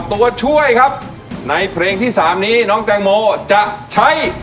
ตัวช่วยครับในเพลงที่๓นี้น้องแตงโมจะใช้